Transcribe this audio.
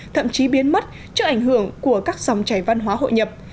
thậm chí biến mất trước ảnh hưởng của các dòng chảy văn hóa hội nhập